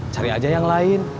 cari aja yang lain